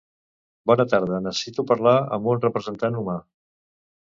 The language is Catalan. Bona tarda, necessito parlar amb un representant humà.